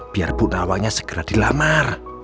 biar bu nawangnya segera dilamar